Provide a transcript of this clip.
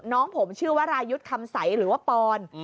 น้องผมชื่อวรายุทธ์คำใสหรือว่าปอน